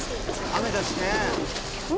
雨だしね。